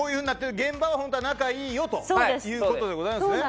現場は仲いいよということございますね。